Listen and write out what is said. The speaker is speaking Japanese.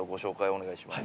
お願いします。